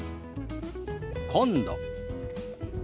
「今度」。